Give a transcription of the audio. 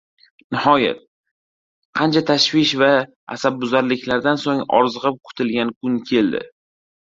— Nihoyat, qancha tashvish va asabbuzarliklardan so‘ng orziqib kutilgan kun keldi.